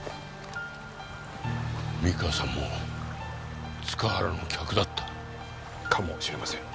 三河さんも塚原の客だった？かもしれません。